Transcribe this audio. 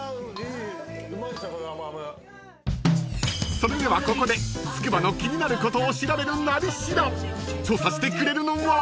［それではここでつくばの気になることを調べる「なり調」調査してくれるのは］